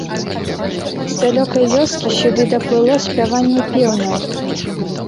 З далёкай вёскі сюды даплыло спяванне пеўняў.